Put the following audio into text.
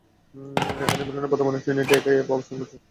অ্যানোমিলিয়ামে বর্তমানে ট্রিনিটি একাই অবস্থান করছে।